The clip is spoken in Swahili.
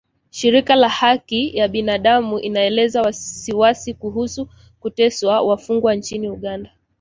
Shirika la Haki ya binadamu inaelezea wasiwasi kuhusu kuteswa wafungwa nchini Uganda